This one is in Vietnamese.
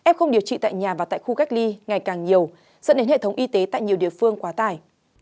em không điều trị tại nhà và tại khu cách ly ngày càng nhiều dẫn đến hệ thống y tế tại nhiều địa phương quá tải